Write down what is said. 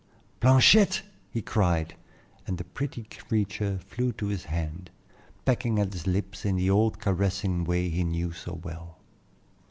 "Blanchette!" he cried, and the pretty creature flew to his hand, pecking at his lips in the old caressing way he knew so well.